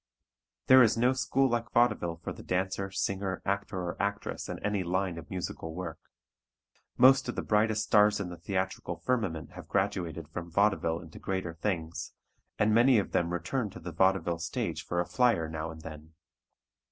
There is no school like vaudeville for the dancer, singer, actor or actress in any line of musical work. Most of the brightest stars in the theatrical firmament have graduated from vaudeville into greater things, and many of them return to the vaudeville stage for a flier now and then.